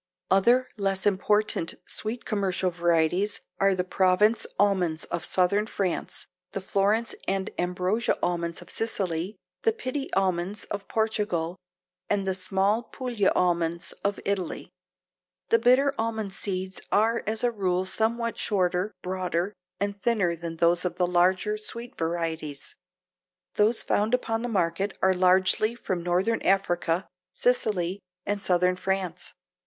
Other less important sweet commercial varieties are the Provence almonds of southern France, the Florence and Ambrosia almonds of Sicily, the Pitti almonds of Portugal and the small Puglia almonds of Italy. The bitter almond seeds are as a rule somewhat shorter, broader and thinner than those of the larger, sweet varieties. Those found upon the market are largely from northern Africa, Sicily and southern France.